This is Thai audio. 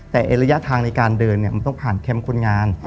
แต่ระยะทางในการเดินมันต้องผ่านแคมป์คนงาน